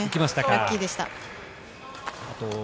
ラッキーでした。